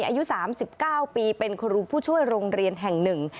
อายุ๓๙ปีเป็นครูผู้ช่วยโรงเรียนแห่งหนึ่ง